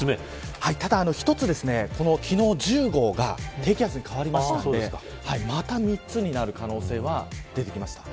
ただ、１つ昨日１０号が低気圧に変わりましたのでまた３つになる可能性は出てきました。